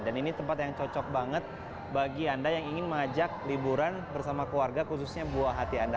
dan ini tempat yang cocok banget bagi anda yang ingin mengajak liburan bersama keluarga khususnya buah hati anda